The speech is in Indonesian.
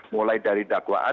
mulai dari dakwa adat